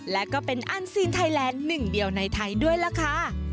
และก็เป็นอันซีนไทยแลนด์หนึ่งเดียวในไทยด้วยล่ะค่ะ